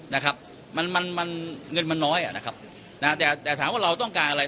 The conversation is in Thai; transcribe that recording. นะครับมันมันเงินมันน้อยอ่ะนะครับนะฮะแต่แต่ถามว่าเราต้องการอะไร